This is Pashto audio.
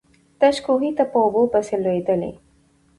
تش کوهي ته په اوبو پسي لوېدلی.